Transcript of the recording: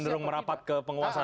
cenderung merapat ke penguasa